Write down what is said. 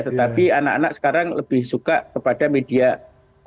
tetapi anak anak sekarang lebih suka kepada media sosial